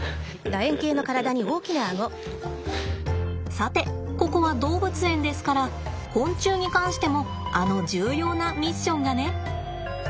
さてここは動物園ですから昆虫に関してもあの重要なミッションがね。